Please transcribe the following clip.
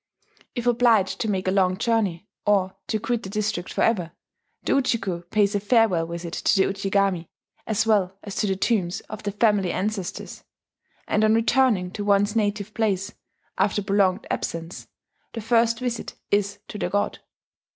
If obliged to make a long journey, or to quit the district forever, the Ujiko pays a farewell visit to the Ujigami, as well as to the tombs of the family ancestors; and on returning to one's native place after prolonged absence, the first visit is to the god